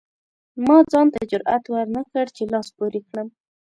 ما ځان ته جرئت ورنکړ چې لاس پورې کړم.